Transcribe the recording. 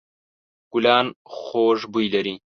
ګلان خوږ بوی لري.